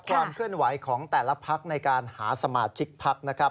ความเคลื่อนไหวของแต่ละพักในการหาสมาชิกพักนะครับ